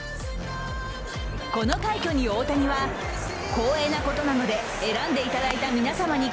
この快挙に、大谷は光栄なことなので選んでいただいた皆様に